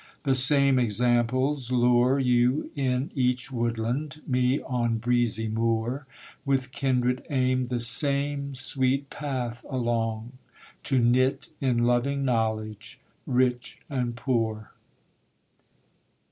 The same examples lure, You in each woodland, me on breezy moor With kindred aim the same sweet path along, To knit in loving knowledge rich and poor.